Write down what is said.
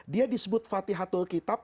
dia disebut fatihah tul kitab